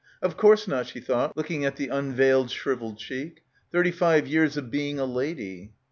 "Of course not," she thought, looking at the unveiled shrivelled cheek. ... "thirty five years of being a lady."